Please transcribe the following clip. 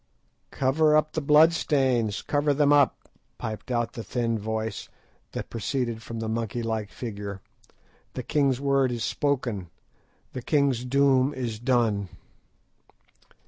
"Cover up the blood stains, cover them up," piped out the thin voice that proceeded from the monkey like figure; "the king's word is spoken, the king's doom is done!"